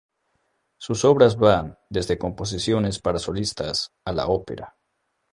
Sus obras van desde composiciones para solistas a la ópera.